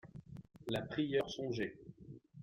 La prieure songeait.